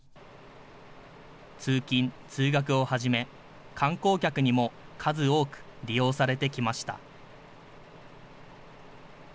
通勤・通学をはじめ、観光客にも数多く利用されてきました。